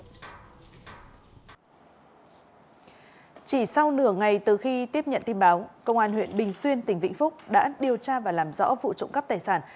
chỉ sau nửa ngày từ khi tiếp nhận tin báo công an huyện bình xuyên tỉnh vĩnh phúc đã điều tra và làm rõ vụ trộm cắp tài sản